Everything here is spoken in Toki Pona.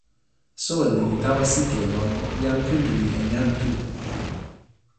soweli li tawa sike lon jan Kuntuli en jan Tu.